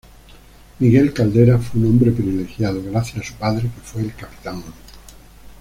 Miguel caldera fue un hombre privilegiado, gracias a su padre que fue el capitán.